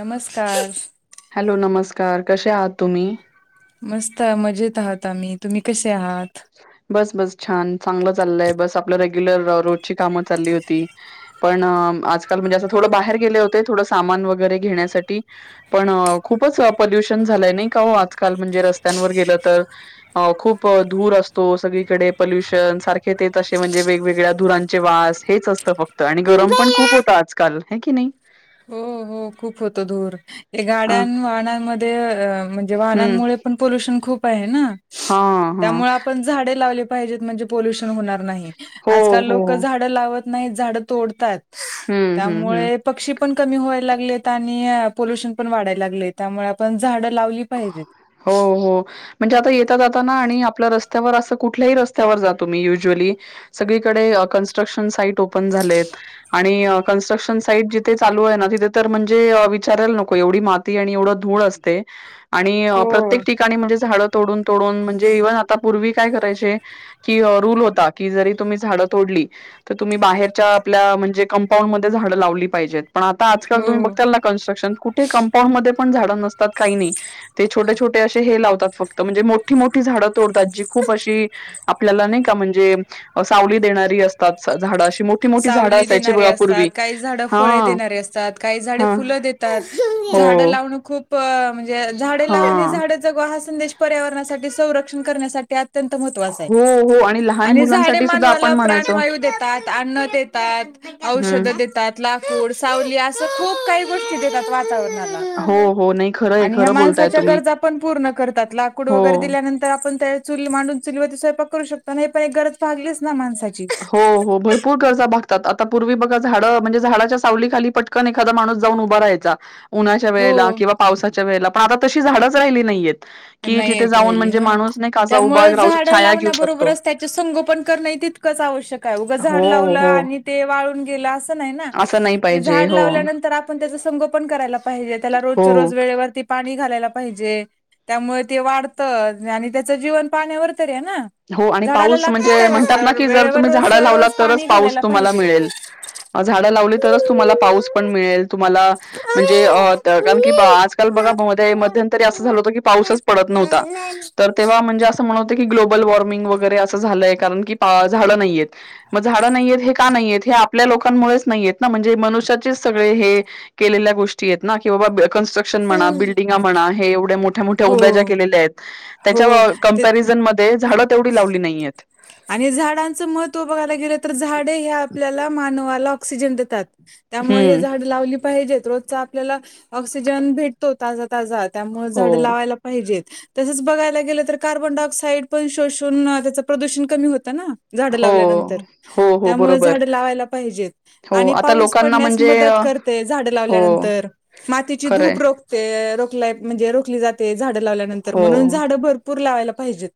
नमस्कार. हॅलो नमस्कार कसे आहात तुम्ही. मस्त मजेत आहात आम्ही तुम्ही कसे आहात. बस बस छान चांगलं चाललंय बस आपलं रेग्युलर रोजची कामं चालली होती. पण आजकाल म्हणजे असं थोडं बाहेर गेले होते थोडं सामान वगैरे घेण्यासाठी पण खूपच पोल्युशन झालंय नाही का हो आजकाल म्हणजे रस्त्यांवर गेलं तर हो खूप धूर असतो सगळीकडे पल्युशन सारखे तेच असे म्हणजे वेगवेगळ्या धुरांचे वास हेच असतं फक्त आणि गरम पण खूप होता आजकाल हे की नाही. हो हो खूप होत धूर गाड्यां हा वाहनांमध्ये म्हणजे हम्म वाहनांमुळे पण प्यु खप आहे हा हा त्यामुळे आपण झाडे. ज म्हणजे प्युशन होणार नाही हो आजकाल हो लोक झाड लावत नाही झाड तोडतात. हम्म हम्म हम्म त्यामुळे पक्षी पण कमी व्हाय लाग. आणि पोल्युशन पण वाढायला लागले त्यामुळे आपण झाड लावली पाहिजेत. हो हो. म्हणजे आता येता जाताना आणि आपल्या रस्त्यावर असं कुठल्याही रस्त्यावर जातो मी युज्युअली सगळीकडे कन्स्ट्रक्शन साईट ओपन झालेत. आणि कन्स्ट्रक्शन साईट जिथे चालू आहे ना, तिथे तर म्हणजे विचारायला नको एवढी मात व धूळ अस आणि हो प्रत्येक ठिकाणी म्हणजे झाड तोडून तोडून म्हणजे इव्हन आता पूर्वी काय करायचे. कि रूल होता की जरी तुम्ही झाडं तोडली. तर तुम्ही बाहेरच्या आपल्या म्हणजे कंपाऊंडमध्येध्ये झाडं लावली पाहिजेत. पण आता आजकाल तुम्ही हो बघताल ना क्स्ट्रक्शन कुठे कंपाऊंड मध्ये पण झाडं नसतात काही नाही ते छोटे छोटे असे हे लावतात फक्त म्हणजे मोठी मोठी झाडं तोडतात जी खूप अशी आपल्याला नाही का म्हणजे सावली देणार असतात झाड अशी मोठी-मोठी झाडं सावली असायची देणारे बघा असतात पूर्वी. काही झाड फळे हां, देणारे असतात काही झाडे हां, फुलं देतात. हो. झाड लावण खूप म्हणजे झाड लावा हां, आणि जगवा हा संदेश पर्यावरणासाठी संरक्षण करण्यासाठी अत्यंत महत्वाच आहे हो, हो लहान आणि झाडे मुलांसाठी सुद्धा आपण मानवाला म्हणायचो. प्राणवायू देतात अन्न औषध हं, देतात लाकूड सावली असं खूप काही गोष्टी देतात हो, वातावरणाला हो. नाही खरं आहे, आणि ह्या खरं बोलताय माणसाच्या तुम्ही. गरजा पण पूर्ण करतात लाकूड वगैरे हो. दिल्यानंतर तर आपण त्या चुली मांडून चुलीवरती स्वयंपाक करू शकताना हे पण एक गरज भागलीच ना माणसाची हो हो भरपूर भरपूर गरजा भागतात आता पूर्वी बघा झाडं म्हणजे झाडाच्या सावली खाली पटकन एखादा माणूस जाऊन उभा रहायचा. उन्हाच्या हो वेळेला किंवा पावसाच्या वेळेला पण आता तशी झाडच राहिली नाहीयेत. कि नाही जिथे येत जाऊन राहिली म्हणजे हा माणूस नाही का असा उभा त्यामुळे राहून झाडं छाया घेऊ शकतो. लावण्याबरोबरच त्याचे संगोपन कर तितकंच आवश्यक आहे उगं झाड हो, लावलं हो. आणि ते वाळून गेलं. असं नाही पाहिजे. झाड हो, लावल्यांतर आपण त्याच संगोपन करायला पाहिजे त्या रोजच्या हो, रोज वेवर पाणी घालायला पाहिजे त्यामुळे ते वाढतं आणि त्याचं जीवन पाण्यावर तरी आहे ना. हो आणि झाडाला पाऊस म्हणजे लागतच काय म्हणतात ना दुसरं की जर वेळेवर तुम्ही रोज झाडं रोज लावलात तरच पाणी पाऊस घालायला तुम्हाला पाहिजे मिळेल. झाडं लावली तरच तुम्हाला पाऊस पण मिळेल तुम्हाला म्हणजे कारण की आजकाल बघाद म म् ध्ये अस झालं होतं की पाऊसच पडत नव्हता तर तेव्हा म्हणजे अस म्हणत ग्लो ग्लबल वॉर्मिंग वगैरे असं झालंय कारण की झालं नाहीये. मग झाडं नाहीय आहेत हे का नाहीय आहेत हे आपल्या लोकांमुळेच नाहीयेत ना म्हणजे मनुष्याचेच सगळे हे केलेल्या गोष्टी आहेत ना की बा क बिल्डिंगा म्हणा हे एवढ्या मोठ्या मोठ्या ज्या हो उभ्या केलेल्या आहेत त्यांच्या हो ते कम्प्यारिजन ते झाडं तेवढी लावली नाहीय आहेत. आणि झाडांचं महत्त्व बघायला गेलं तर झाडे हे आपल्याला मानवाला ऑक्सिजन देतात. त्यामुळे हे हं. झाड लावली पाहिजेत रोजचा आपल्याला ऑक्सिजन भेट तो ताजा ताजा त्यामुळे हो. झाड लावायला. पाहिजेत तसंच बघायला गेलं तर कार्बन डाय ऑक्साइड पण शोषून त्या प्रदूषण कमी होतं ना. झाडं हो. लावल्यानंतर हो, हो. त्यामुळे बरोबर. झाडं लावायला पाहिजेत हो आणि आता पाऊस लोकांना पडण्यास म्हणजे मदत करत. झा हो लावल्यानंतर खरंय मातीचीूपो ते रोखलाय म्हणजे रोखली जाते झाडं लावल्यानंतर हो म्हणून झाडं भरपूर लावायला पाहिजेत.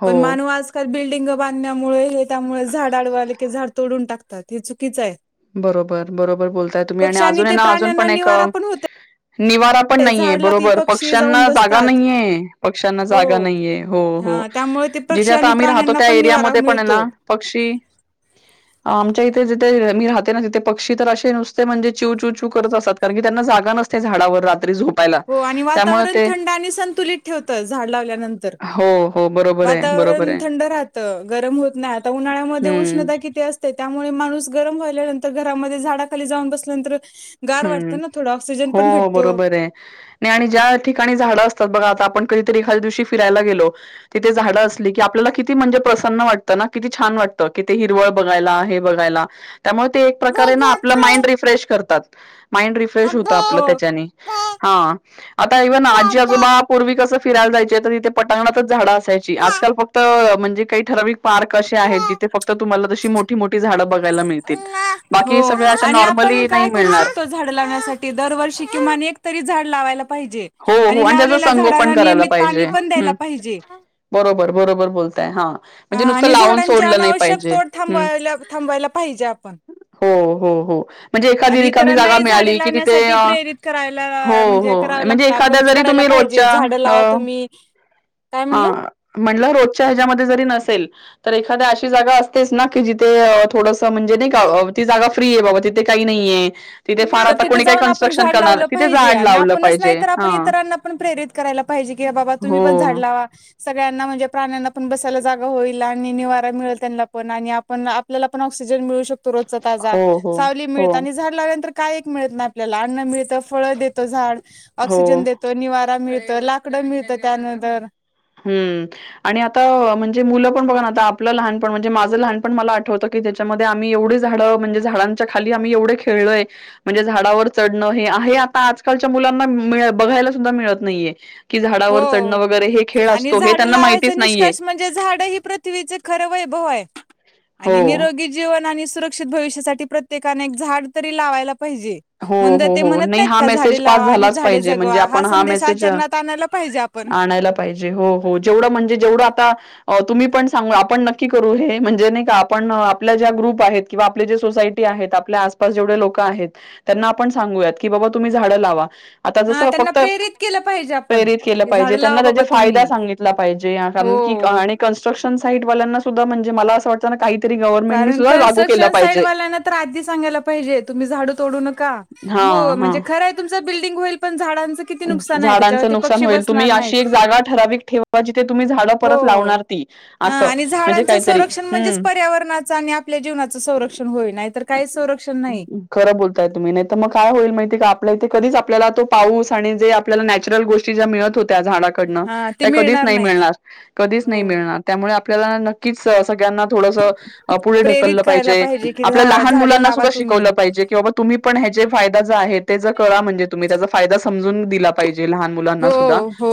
हो पण मानू आज. बिल्डिंग बांधण्यामुळे हे त्यामुळे झाड आडवायले की झाड तोडून टाकतात हे चुकीच आहे. बरोबर बरोबर बोलताय तुम्ही आणि पक्ष अजून ते ना अजून प्राण्यांना पण एक निवारा पण होते निवारा पण नाहीे झाड ला ते बरोबर पक्षी जाऊन पक्ष्यांना जागा बसतात नाही आहे पक्ष्यांना जागा हो नाहीये हो हो. हा त्यामुळे ते जिथे पक्षी आता आणि आम्ही राहतो प्राण्यांना त्या पण निवारा एरियामध्ये पण आहे मिळतो ना. पक्षी आमच्या इथे जथे मी राहत. तिे पक्षी तर असे नुसते म्हणजे चव चू च्यू करत असतात कारणी त्यांना जागा नसते झाडावर रात्री झोप. हो आणि वातावरण थंड आणि संतुलित ठेवतं झाड लावल्यानंतर हो हो बरोबर. आहे बरोबर वातावरण आहे थंड राहतं गरम होत नाही आता उन्हाळ्यामध्ये हम्म उष्णता किती अस. त्यामुळे माणूस गरम व्हाल्यानंतर घरामध्ये झाडाखाली जाऊन बसल्यानंतर गार हम्म वाटतं ना थोडं ऑक्सिजन पण हो भेटतो बरोबर आहे. नाही आणि ज्या ठिकाणी झाडं असतात बघा आता आपण कधीतरी एखद्या दिवशी फिरायला गेलो. तिथे झाडं असली की आपल्याला किती म्हणजे प्रसन्न वाटतं ना किती छान वाटतं कि ते हिरळ बघाला हे बघायला त्यामुळे ते एक प्रकारे ना आपलं माइंड रिफ्रेश करतात. माइंड रिफ्रेश होत आपलं हो त्याच्याने हा आता इव्हन आजी आजोबा पूर्वी कसं फिरायला जायचे तर तथे पटांगणातच झाडा अस. आजकाल फक्त म्हणजे काही ठराव. पार्क असे आहेत जिथे फक्त तुम्हाला जशी मोठी मोठी झाडं बघायला मिळतील. हो बाकी सगळ्या अशा आणि आपण नॉर्मली नाही काय करू मिळणार. शकतो झाड लावण्यासाठी दरवर्षी किमाने एक तरी झाड लावायला. जे हो हो आणि त्याचं लावलेल्या संगोपन झाडांना करायला नियमित पाणी पाहिजे पण हम्म द्यायला पाहिजे. बरोबर बरोबर बोलताय हा. ह म्हणजे नुसतं आणि लावून झाडांचे सोडलं नाही अनावश्यक पाहिजे तोड हम्म थांबायला थांबायला पाहिजे आपण हो हो हो. म्हणजे एखादी आणि रिकामी जागा इतरांनाही झाडे मिळाली की तिथे लावण्यासाठी प्रेरित करायला हो म्हणजे हो. करावं म्हणजे लागतं एखाद्या आपणच जरी करायला तुम्ही पाहिजे रोजच्या झाडं लावा तुम्ही काय हा. म्हणलो म्हटलं रोजच्या ह्याच्यामध्ये जरी नसेल तर एखाद्या अशी जागा असतेच ना की जिथे थोड. म्हणजे नाही का ती जागा फ्री आहे बाबा तिथे काही नाहीय. तिथे फार तर आता तिथं कोणी काही जाऊन आपण कनस्ट्रक्शन झाड करणार लावलं तिे पाहिजे जाड आणि लावलं. आपणच नाही पाहिजे तर आपण हा इतरांना पण प्रेरित करायला पाहिजे क बाबा तुम्ही हो पण झाड लावा. सगळ्यांना म्हणजे प्राण्यांना पण बसायला जागा होईल आणि निवारा मिळेल त्यांना पण आणि आपण आपल्याला पण ऑक्सिजन मिळू शकतो रोजचा ताजा हो हो सावली हो मिळत आणि झाड ला. का मिळत ना आपल्याला अन्न मिळत फळ देत झाड हो ऑक्सिजन देत. तो निवारा मिळत लाकडं मिळतं त्यानंतर हम्म आणि आता म्हणजे मुलं पण बघ ना आता आपलं लहानपण म्हणजे माझं लहानपण मला आठवतं. की त्याच्यामध्ये आम्ही एवढे झाड म्हणजे झाडांच्या खाली आम्ही एवढे खेळलय. म्हणजे झाडावर चढणं हे आहे आता आजकालच्या मुलांना बघायला सुद्धा मिळत नाहीये. की हो झाडावर चढणं वगैरे हे खेळ असतो हे त्यांना माहितीच नाहीये. म्हण झाृथ ख व हो. आणि नि जीवन आणि सुरक्षित भविष्यासाठी प्रत्येकाने एक झाड तरी लावायला पाहिजे. हो, मु हो, ते हो. म्हणत नाही नाहीत हा का मेसेज झाडे पास लावा आणि झालाच झाडे पाहिजे म्हणजे जगवा हा आपण संदेश मेसेज आचरणात आणायला पाहिजे आपण. आणायला पाहिजे हो हो जेवढं म्हणजे जेवढं आता तुम्ही पण सांगू आपण नक्की करू हे म्हणजे नाही का आपण आपल्या ज्या ग्रुप आहेत. किंवा आपली जे सोसायटी आहेत आपल्या आसपास जेवढे लोक आहेत. त्यांना आपण सांगूयात, की बाबा तुम्ही झाडं लावा. आता हा जसं त्यांना फक्त, प्रेरित केलं पाहिजे आपण प्रेरित केलं की झाड पाहिजे, लावा त्यांना त्याचा बाबा फायदा तुम्ही. सांगितला पाहिजे. कारण की हो आणि कन्स्ट्रक्शन साईट वाल्यांना सुद्धा, म्हणजे मला असं वाट तना काहीतरी गवर्नमेंटनी कारण सुद्धा लागू केलं कन्स्ट्रक्शन पाहिजे. साईडवाल्यांना तर आधी सगायला पाहीजे तुम्ही झाडं तोडू नका. हा मो हा म्हणजे खरंय, तुमच बिल्डंग होईल, पण झाडांच झ झाडांचं नुकसान होईल. तुम्ही अशी एक जागा ठराविक ठेवा, बा जिथे तुम्ही झाडं परत हो लावणार ती. हा असं आणि म्हणजे झाडांचं काहीतरी, संरक्षण म्हणजेच हं. पर्यावरणाचं आणि आपल्या जीवनाचं संरक्षण होईल. नाही तर काहीच संरक्षण नाही. खरं बोलताय तुम्ही. नाही तर मग काय होईल माहितीय का? आपल्या इथे कधीच आपल्याला तो पाऊस आणि जे आपल्या नॅचरल गोष्टी ज्या मिळत होत्या, झाड कडन. हा ते त्या कधीच नाही नाहीत मिळणार. कधीच हो नाही मिळणार, त्यामुळे आपल्याला की स सगळ्यांना थोडसं पुढे प्रेरित ढकललं करायला पाहिजे. की आपल्या झा लहान झाडे मुलांना लावा सुद्धा तुम्ही शिकवलं पाहिजे, कि बाबा तुम्ही पण ह्याचे फायदा ज आहे ते ज करा. म्हणजे तुम्ही त्याचा फायदा समजून दिला पाहिजे लहान मुलांना हो सुद्धा हो.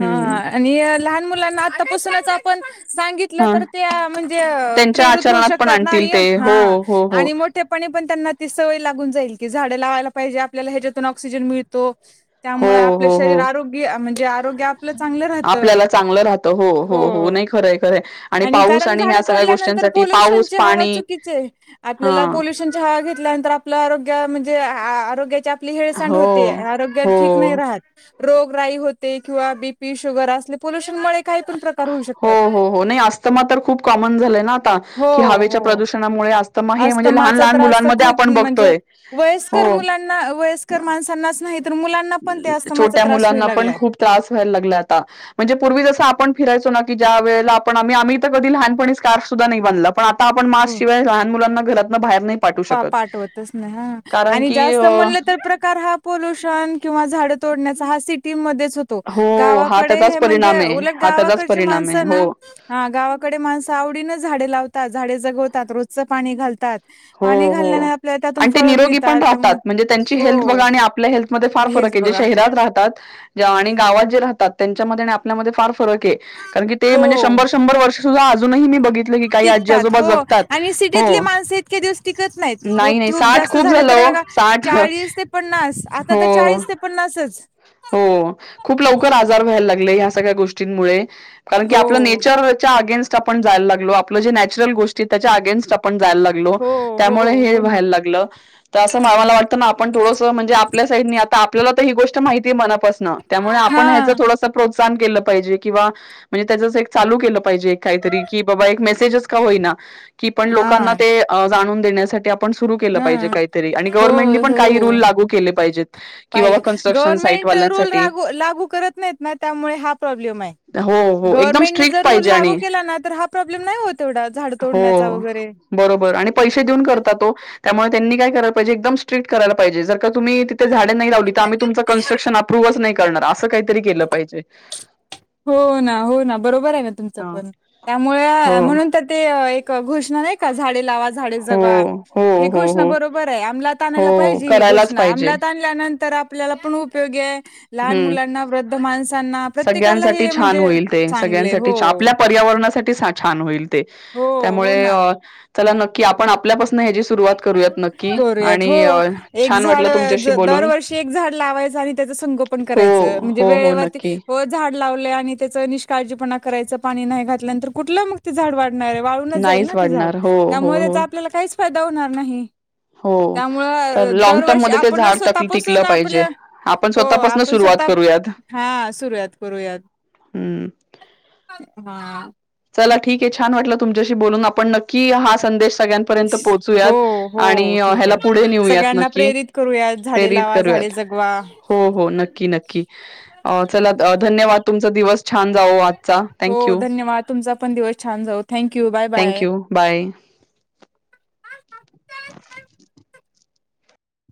हा, हम्म आणि लहान मुलांना आतापासूनच आप पण सांगितल ह तर त्या म्हणजे त्यांच्या प्रेरित होऊ आचरणात पण शकतात ना. आणतील ते हो, हो हो. तेपणी पण त्यांना ती सवय लागून जाईल. की झाडं लावायला पाहिजे आपल्याला ह्याच्यातून ऑक्सिजन मिळतो. हो त्यामुळं आप पलं हो शरीर हो आरोग्य, म्हणजे आरोग्य आपलं चांगलं राहत. आपल्याला चांगलं राहतं हो. नाही खरंय खरंय आणि पाऊस कारण झाडं ह्या सगळ्या तोडल्यानंतर गोष्टींसाठी पाऊस पोल्युशनची हवा पाणी चुकीची आहे. आपल्याला हां पोल्युशन ची हवा घेतल्यानंतर आपल्या आरोग्या, म्हणजे आरोग्याच्या आपली हेळसांड हो होते. आरोग्या हो ठीक नाही राहात. रोग राई होते. किंवा बीपी शुगर असले पोल्युशनमुळे काही पण प्र हो हो हो. नाही अस्तमा तर खूप कॉमन झालंय ना आता. हो की हवेच्या हो प्रदूषणामुळे अस तमा हे म्हणजे लहान अस्थमाचा लहान त्रास तर मुलांमध्ये आपण बघतोय. हो. ना वयस्कर माणसांनाच नाही, तर मुलांना पण त्या अस्तमाचा छोट्या त्रास होऊ मुलांना पण लागलाय. खूप त्रास व्हायला लागला आता. म्हणजे पूर्वी जसं आपण फिरायचो ना की ज्या वेळेला आपण, आम्ही आम्ही तर कधी लहानपणी स्कार्फ सुद्धा नाही बांधला. पण आता आपण हो मास्कशिवाय लहान मुलांना घरातनं बाहेर नाही पाठवू पा शकत पाठवतच नाही. हा, कारण आणि की जास्त अ म्हणलं तर प्रकार हा पोल्युशन किंवा झाडं तोडण्याचा हा सिटीमध्येच हो तो. हा गावाकडे त्याचाच हे म्हणजे परिणाम आहे उलट हा त्याचाच गावाकडची परिणाम आहे माणसं ना हो हा गावाकडे माणसं आवडीन झाडे लावतात. झाडे जगवतात. रोजचं पाणी घालतात. हो पाणी घालल्याने हो. आपल्याला त्यातून आणि ते फळं निरोगी मिळतात पण राहतात. त्यामुळे म्हणजे त्यांची हेल्थ हो बघा आणि आपल्या हेल्थ मध्ये फार फरक हेल्थ आहे. जे बघा शहरात राहतात ज आणि गावात जे राहतात त्यांच्यामध्ये आणि आपल्यामध्ये फार फरक आहे. कारण की ते म्हणजे हो शंभर शंभर वर्ष सुद्धा अजूनही मी बघितलं की काही आजी आजोबा जगतात. ती हो सिटीतले माणस इतके दिवस टिकत नाहीत. नाही खूप नाही खूप साठ जास्त झाले झालं तर हो बघ साठ चाळीस ते पन्नास, आता तर हो चाळीस ते पन्नासच. हो. खूप लवकर आजार व्हायला लागले ह्या सगळ्या गोष्टी ष्टींमुळे, कारण की आपल हो नेचरच्या अगेन्स् स्ट आपण जायला लागलो. आपलं जे नॅचरल गोष्टी त्याच्या अगेनस्ट आपण जायला लागलो. हो हो त्यामुळे हे हो ना व्हायला लागल. त अस मा वा ला आपण थोडसं म्हणजे, आपल्या साईटने आता आपल्याला तर ही गोष्ट माहितीये मनापासन. त्यामुळे हा आपण ह्याच्या थोडसं प्रोत्साहन केलं पाहिजे. किंवा म्हणजे त्याच असं एक चालू केलं पाहिजे काहीतरी. की बाबा एक मेसेजच का होईना की पण लोकांना हा ते अं जाणून देण्यासाठी आप पण सुरू केलं हा पाहिजे काहीतरी आणि हो गव्हर्नमेंटनी पण हो काही रूल लागू केले पाहिजे. पाहिजे. गव्हर्मेंट रूल रागू लागू करत नाहीत ना, त्यामुळे हा प्रॉब्लेम आहे. हो, हो. एकदम गव्हर्नमेंटने स्ट्रिक्ट जर रोल पाहिजे लागू आणि केला ना तर हा प्रॉब्लेम नाही हो तेवढा झाड हो. तोडण्याचा वगैरे बरोबर आणि पैसे देऊन करता तो त्यामुळे त्यांनी काय कय पाहिज एकम्ट्रिक्ट करायला पाजेर का तुम्हीिथे झाडेड लावली तर आम्हीुमच क्स्ट्रक्श प्रूव्हच नाही करणार असं काहीतरी केलं पाहिजे हो ना हो ना बरोबर आहे ना तुमचं हां. पण त्यामुळे हो. म्हणून ते एक घुषणा नाही का झाडे लावा झाडे हो, जगवा हो, ही हो, घोषणा हो. बरोबर ये आमलात हो, आणायला पाहिजे करायलाच पाहिजे. आमलात आणल्या नंतर आपल्याला पण उपोगी आहे लहान हं. मुलांना वृद्ध माणसांना प्र्ये सगळ्यांसाठी छान होईल ते सगळ्यांसाठी आप पर्यावरणासाठी छान होईल ते हो, हो त्यामुळे ना. त्याला की आपण आपल्यापासून ह्याची सुरुवात करूयात नक्की करूयात आणि हो छान वाटलं तुमच्याशी बोलून श एक झाड लावाय आणि त्याच संगोपन हो करायच म्हणजे हो हो वेळेवरती नक्की झाड लावलेय आणि त्याच निष्काळजीपणा करायचं पाणी नाही घातल्यानंतर कुठलं मग ते झाड वाढणार आहे वाळूनच जाईल नाहीच ना ते झाड वाढणार हो हो त्यामुळे हो त्याचा आपल्याला काहीच फायदा होणार नाही हो तर त्यामुळं लॉंग टर्म दरवर्षी मध्ये ते आपण झाड टक टिकलं स्वतापासून पाहिजे आपल्या आपण हो स्वतःपासून आपण सुरुवात स्वतः करूयात हा सुरूयात करूयात हम्म हा चला ठीक आहे छान वाटलं तुमच्याशी बोलून आपण नक्की हा संदेश सगळ्यां पर्यंत हो पोहोचूयात आणि हो ठीक ह्याला आहे पुढे नेऊयात सगळ्यांना नक्की प्रेरित करूयात वा हो हो नक्की नक्की चला धन्यवाद तुमचा दिवस छान जाव आजचा थँक हो यू धन्यवाद तुमचा पण दिवस छान जाऊो thank you bye bye thank you bye [inaudible]